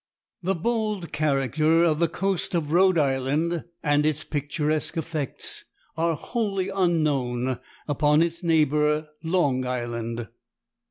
The bold character of the coast of Rhode Island and its picturesque effects are wholly unknown upon its neighbor Long Island.